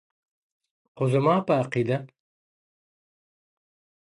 • خو زما په عقیده -